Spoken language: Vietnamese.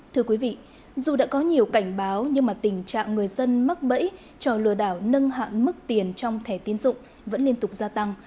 thưa quý vị dù đã có nhiều cảnh báo nhưng mà tình trạng người dân mắc bẫy cho lừa đảo nâng hạn mức tiền trong thẻ tiến dụng vẫn liên tục gia tăng